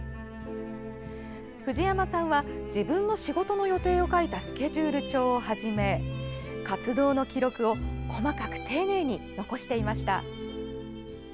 藤山さんは自分の仕事の予定を書いたスケジュール帳をはじめ活動の記録を細かく丁寧に残していました。